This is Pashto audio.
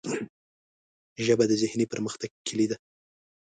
ژبه د ذهني پرمختګ کلۍ ده